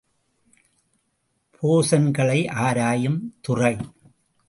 போஸன்களை ஆராயும் துறை.